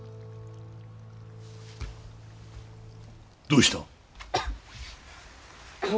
どうした？